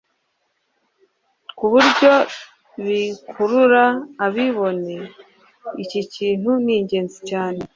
ku buryo bikurura ababibona Iki kintu ni ingenzi cyane